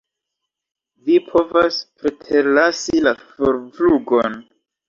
Vi povas preterlasi la forflugon.